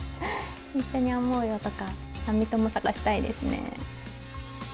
一緒に編もうよとか編み友探したいですね。